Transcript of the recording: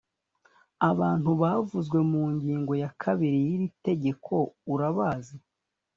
abantu bavuzwe mu ngingo ya kabiri y’iri tegeko urabazi‽